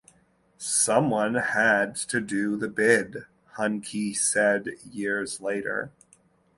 "Someone had to do the bid," Huncke said years later.